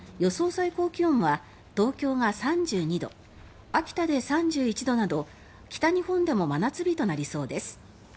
最高気温は東京が３２度秋田で３１度など北日本でも真夏日となりそうです。